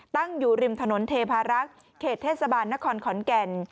ตั้งอยู่ริมถนนเทพารักษ์เขตเทศบาลนครขอนแก่น